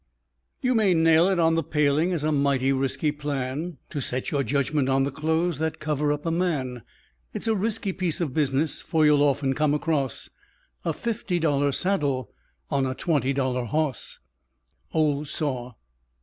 You may nail it on the pailing as a mighty risky plan To set your judgment on the clothes that cover up a man; It's a risky piece of business, for you'll often come across A fifty dollar saddle on a twenty dollar hoss. _Old Saw.